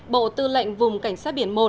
bộ tư lệnh vùng cảnh sát biển một